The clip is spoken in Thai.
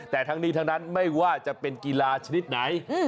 แต่ทั้งนี้ทั้งนั้นไม่ว่าจะเป็นกีฬาชนิดไหน